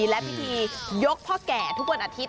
และพิธียกพ่อแก่ทุกวันอาทิตย